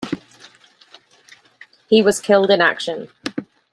He was killed in action.